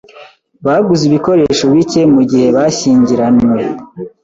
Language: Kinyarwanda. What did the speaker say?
Baguze ibikoresho bike mugihe bashyingiranywe.